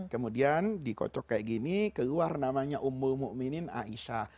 kemudian dikocok kayak gini keluar namanya ummul mu'minin aisyah